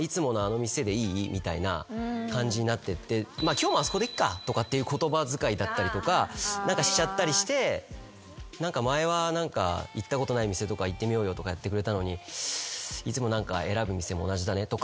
みたいな感じになってって「今日もあそこでいっか」って言葉遣いだったりとかしちゃったりして前は行ったことない店とか行ってみようよとかやってくれたのにいつも選ぶ店も同じだねとか。